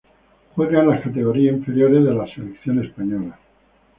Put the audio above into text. Juega en las categorías inferiores de la selección española.